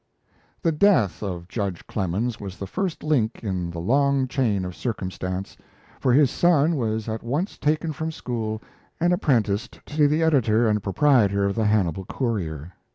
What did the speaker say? The death of Judge Clemens was the first link in the long chain of circumstance for his son was at once taken from school and apprenticed to the editor and proprietor of the Hannibal Courier.